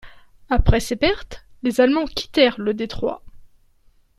Après ces pertes, les Allemands quittèrent le détroit.